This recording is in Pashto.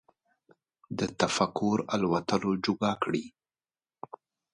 د تفکر الوتلو جوګه کړي